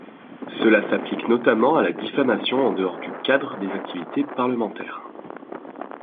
Cela s'applique notamment à la diffamation en dehors du cadre des activités parlementaires.